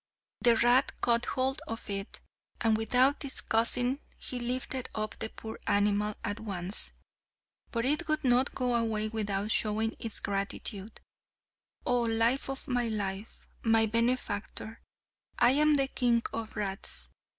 The rat caught hold of it, and without discussing he lifted up the poor animal at once. But it would not go away without showing its gratitude: "Oh, life of my life! My benefactor! I am the king of rats.